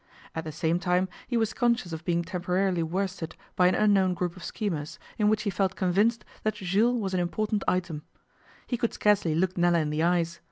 At the same time he was conscious of being temporarily worsted by an unknown group of schemers, in which he felt convinced that Jules was an important item. He could scarcely look Nella in the eyes.